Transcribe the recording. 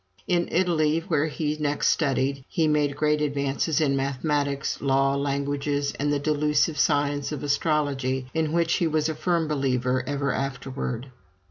In Italy, where he next studied, he made great advances in mathematics, law, languages, and the delusive science of astrology, in which he was a firm believer ever afterward.